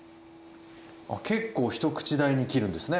結構一口大に切るんですね。